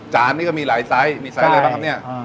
จานนี่ก็มีหลายไซส์มีไซส์อะไรบ้างครับเนี่ย